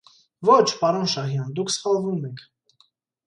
Ո՛չ, պարոն Շահյան, դուք սվսալվում եք.